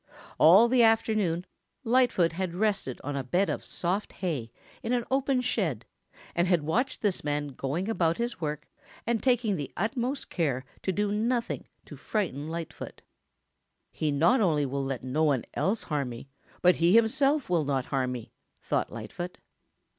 All the afternoon Lightfoot had rested on a bed of soft hay in an open shed and had watched this man going about his work and taking the utmost care to do nothing to frighten Lightfoot. "He not only will let no one else harm me, but he himself will not harm me," thought Lightfoot.